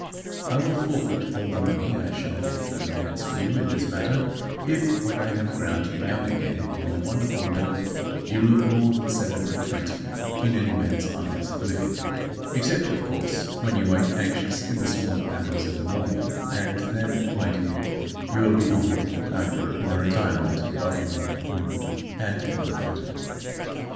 I will forfeit all the money I shall have to advance for you in this matter, if, when I have ground you young again in my wonderful mill, you look more than seven and twenty in any man's eyes living except, of course, when you wake anxious in the small hours of the morning; and then, my dear, you will be old and ugly in the retirement of your own room, and it won't matter.